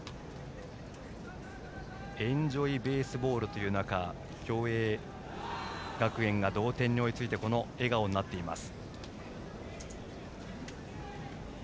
エンジョイベースボールという中共栄学園が同点に追いついて笑顔になっています。